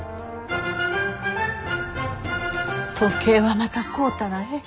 時計はまた買うたらえい。